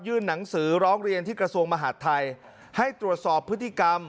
หนังสือร้องเรียนที่กระทรวงมหาดไทยให้ตรวจสอบพฤติกรรม